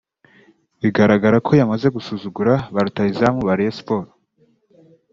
bigaragara ko yamaze gusuzugura ba rutahizamu ba Rayon Sports